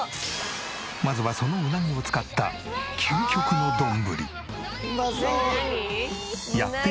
まずはそのうなぎを使った究極の丼。